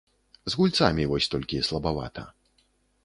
З гульцамі вось толькі слабавата.